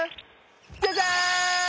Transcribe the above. ジャジャン！